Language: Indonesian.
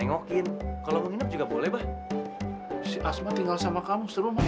oh ada di dalam